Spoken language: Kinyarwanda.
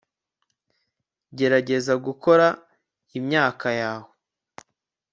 gerageza gukora imyaka yawe